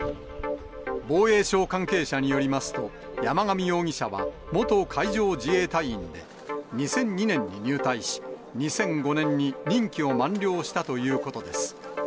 防衛省関係者によりますと、山上容疑者は元海上自衛隊員で、２００２年に入隊し、２００５年に任期を満了したということです。